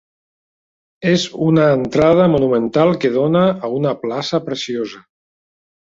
És una entrada monumental que dóna a una plaça preciosa.